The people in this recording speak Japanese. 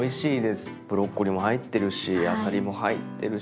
ブロッコリーも入ってるしあさりも入ってるし。